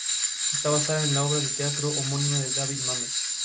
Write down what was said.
He regresado porque necesitaba hacer música y tenía un vacío en mi vida.